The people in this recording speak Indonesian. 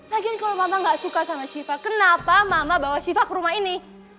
lagi kalau mama gak suka sama syifa kenapa mama bawa siva ke rumah ini